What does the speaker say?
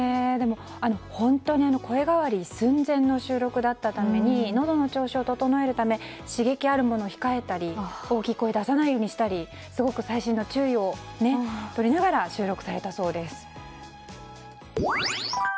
本当に声変わり寸前の収録だったためにのどの調子を整えるため刺激あるものを控えたり大きい声を出さないようにしたりすごく細心の注意をとりながら収録されたそうです。